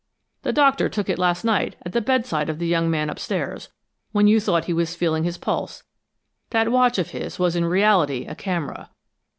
"The Doctor took it last night, at the bedside of the young man upstairs, when you thought he was feeling his pulse. That watch of his was in reality a camera."